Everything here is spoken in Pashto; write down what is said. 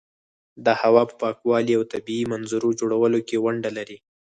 د هوا په پاکوالي او طبیعي منظرو جوړولو کې ونډه لري.